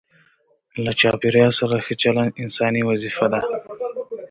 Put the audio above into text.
له چاپیریال سره ښه چلند انساني وظیفه ده.